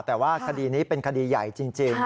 แต่ว่าคดีนี้เป็นคดีใหญ่จริง